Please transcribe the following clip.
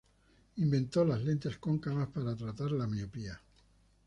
Inventó las lentes cóncavas para tratar la miopía.